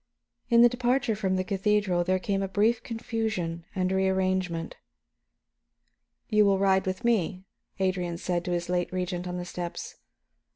In the departure from the cathedral there came a brief confusion and rearrangement. "You will ride with me," Adrian said to his late Regent, on the steps.